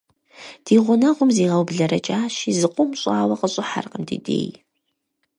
Ди гъунэгъум зигъэублэрэкӀащи, зыкъом щӀауэ къыщӀыхьэркъым ди дей.